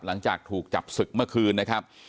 หลังจากถูกจับศึกเมื่อคืนนะครับ